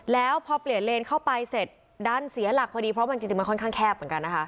แล้วพอเปลี่ยนเลนเข้าไปเสร็จดันเสียหลักพอดีเพราะมันจริงมันค่อนข้างแคบเหมือนกันนะคะ